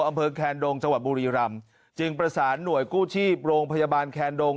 อำเภอแคนดงจังหวัดบุรีรำจึงประสานหน่วยกู้ชีพโรงพยาบาลแคนดง